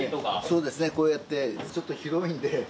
そうですね、こうやって、ちょっと広いんで。